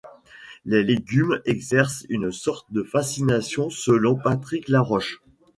Les légumes exercent une sorte de fascination selon Patrick Laroche.